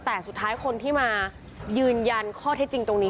แต่สุดท้ายคนที่มายืนยันข้อเท็จจริงตรงนี้